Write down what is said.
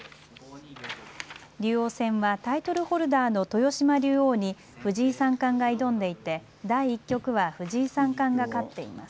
竜王戦はタイトルホルダーの豊島竜王に藤井三冠が挑んでいて第１局は藤井三冠が勝っています。